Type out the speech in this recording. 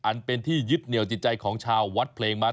อันเป็นที่ยึดเหนียวจิตใจของชาววัดเพลงมา